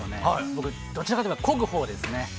僕、どちらかと言えば、こぐほうですね。